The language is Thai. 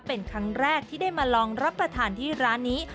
เป็นครั้งแรกที่ได้มาลองรับประทานที่ร้านนี้